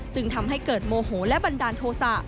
จึงทำให้เกิดโมโหและบันดาลโทษะ